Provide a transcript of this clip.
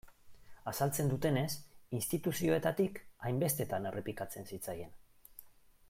Azaltzen dutenez, instituzioetatik hainbestetan errepikatzen zitzaien.